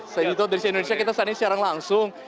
saya dito dari indonesia kita saat ini secara langsung